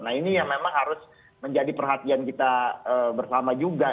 nah ini yang memang harus menjadi perhatian kita bersama juga